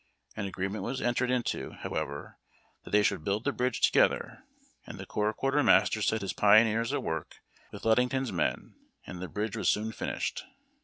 An agreement was entered into, however, that they should build the bridge together ; and the corps quartermaster set his pioneers at work with Ludington's men, and the bridge was soon finished.